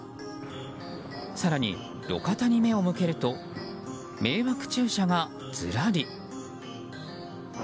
更に、路肩に目を向けると迷惑駐車がずらり。